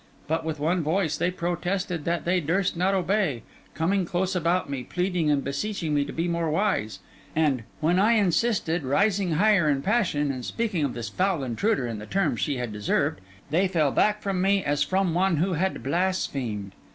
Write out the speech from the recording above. But with one voice, they protested that they durst not obey, coming close about me, pleading and beseeching me to be more wise; and, when I insisted, rising higher in passion and speaking of this foul intruder in the terms she had deserved, they fell back from me as from one who had blasphemed.